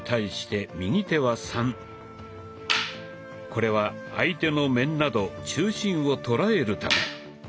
これは相手の面など中心を捉えるため。